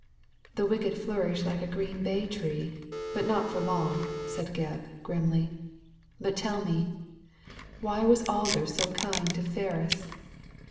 "•The wicked flourish like a green bay tree' ; but not for long," said Gebb, grimly. "But tell me. Why was Alder so kind to Ferris?